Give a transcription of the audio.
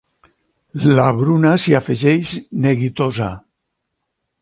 La Bruna s'hi afegeix, neguitosa.